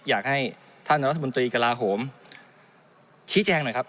อยากให้ท่านรัฐมนตรีกระลาโหมชี้แจงหน่อยครับ